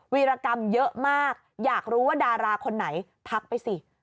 วิรกรรมเยอะมากอยากรู้ว่าดาราคนไหนทักไปสิ